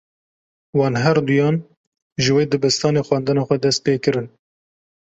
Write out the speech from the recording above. Wan her duyan, ji wê dibistanê xwendina xwe dest pê kirin